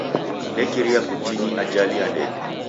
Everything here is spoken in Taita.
Nekiria kutini ajali ya ndege.